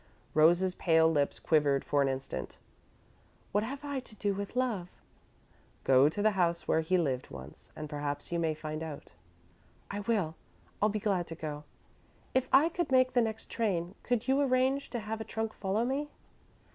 Rose's pale lips quivered for an instant. "What have I to do with love?" "Go to the house where he lived once, and perhaps you may find out." "I will I'll be glad to go. If I could make the next train, could you arrange to have a trunk follow me?"